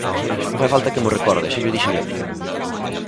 Non fai falta que mo recorde, xa llo dixen eu.